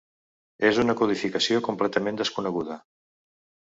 És una codificació completament desconeguda.